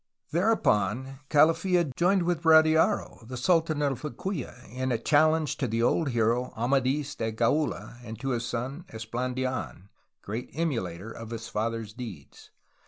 Thereupon Calafla joined with Radiaro, the sultan of Liquia, in a challenge to the old hero Amadls de Gaula and to his son Esplandidn, great emulator of his father's deeds.